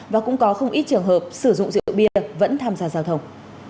và cũng có không ít trường hợp sử dụng rượu bia vẫn tham gia giao thông